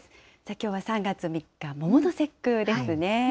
きょうは３月３日、桃の節句ですね。